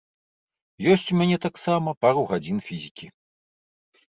Ёсць у мяне таксама пару гадзіну фізікі.